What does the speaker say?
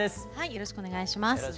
よろしくお願いします。